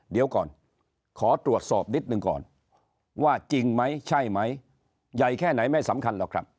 เดี๋ยวก่อนขอตรวจสอบนิดหนึ่งก่อนว่าจริงไหมใช่ไหมใหญ่แค่ไหนไม่สำคัญหรอกครับ